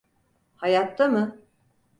Hayatta mı?